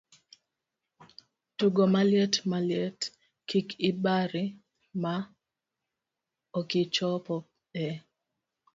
Tugo Maliet Maliet, kik ibari ma okichopo eeee!